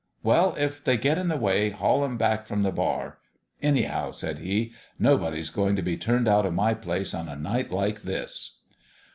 Well, if they get in the way haul 'em back from the bar. Anyhow," said he, " nobody's going to be turned out of my place on a night like this."